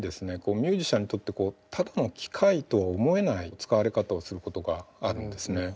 ミュージシャンにとってただの機械とは思えない使われ方をすることがあるんですね。